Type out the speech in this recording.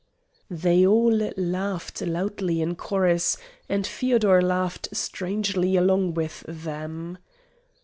They all laughed loudly in chorus, and Feodor laughed strangely along with them.